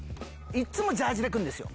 いっつもジャージで来るんですよ。